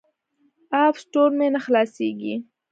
اپ سټور مې نه خلاصیږي.